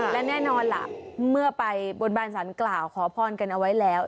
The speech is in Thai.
และแน่นอนล่ะเมื่อไปบนบานสารกล่าวขอพรกันเอาไว้แล้ว